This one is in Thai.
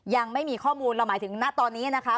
ยังไม่มีข้อมูลเราหมายถึงณตอนนี้นะคะ